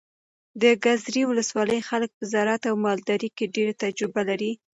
د ګذرې ولسوالۍ خلک په زراعت او مالدارۍ کې ډېره تجربه لري.